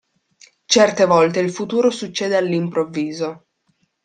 Certe volte il futuro succede all'improvviso.